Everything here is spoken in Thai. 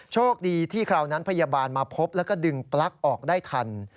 โชคดีที่คราวนั้นพยาบาลมาพบแล้วก็ดึงปลั๊กออกได้ทัน